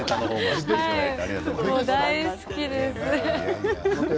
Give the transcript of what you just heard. もう大好きです。